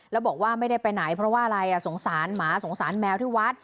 แล้วบอกว่าไม่ได้ไปไหนเพราะว่าอะไรสงสารหมาสงสารแมวที่วัด